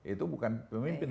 itu bukan pemimpin